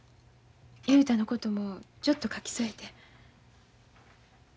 雄太のこともちょっと書き添えて。